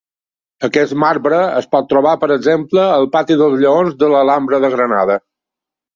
Aquest marbre es pot trobar, per exemple, al Pati dels Lleons de l'Alhambra de Granada.